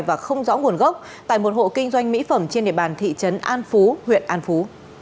và không rõ nguồn gốc tại một hộ kinh doanh mỹ phẩm trên địa bàn thị trấn an phú huyện an phú